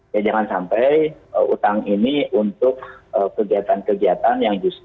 ya jangan sampai utang ini untuk kegiatan kegiatan yang justru